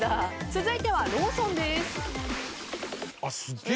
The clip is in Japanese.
続いてはローソンです。